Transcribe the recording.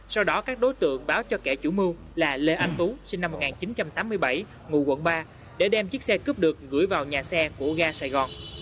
sau đó các đối tượng báo cho kẻ chủ mưu là lê anh tú sinh năm một nghìn chín trăm tám mươi bảy ngụ quận ba để đem chiếc xe cướp được gửi vào nhà xe của ga sài gòn